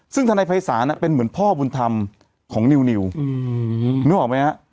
ซึ่งธนายภัยศาลเป็นเหมือนพ่อบุญธรรมของนิวนึกออกไหมฮะ